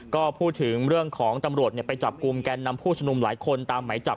ก็พูดถึงเรื่องของตำรวจไปจับกลุ่มแกนนำผู้ชมนุมหลายคนตามไหมจับ